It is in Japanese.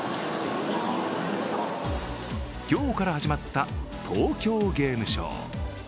今日から始まった東京ゲームショウ。